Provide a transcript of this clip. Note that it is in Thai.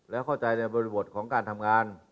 และเข้าใจในบริบทของการทำงาน